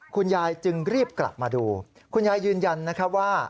จึงรีบกลับมาดูคุณยายยืนยันนะครับว่า